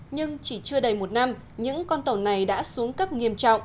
nhưng chỉ chưa đầy một năm những con tàu này đã xuống cấp nghiệp